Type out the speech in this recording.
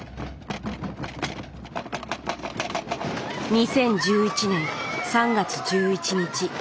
２０１１年３月１１日。